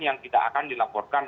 yang tidak akan dilaporkan